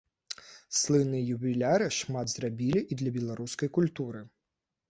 Слынныя юбіляры шмат зрабілі і для беларускай культуры.